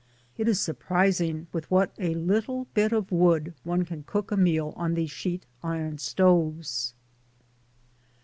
It is surprising with what a little bit of wood one can cook a meal on these sheet iron stoves.